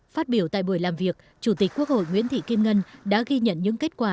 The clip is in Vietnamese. phát biểu tại buổi làm việc chủ tịch quốc hội nguyễn thị kim ngân đã ghi nhận những kết quả